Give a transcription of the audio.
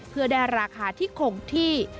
เพื่อได้ราคาที่คงที่